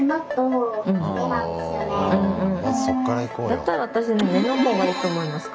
だったら私ね目の方がいいと思います。